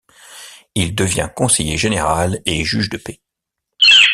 Il devient conseiller général et juge de paix.